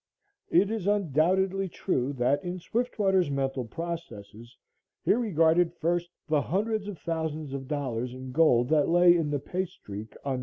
It is undoubtedly true that in Swiftwater's mental processes he regarded first, the hundreds of thousands of dollars in gold that lay in the pay streak on No.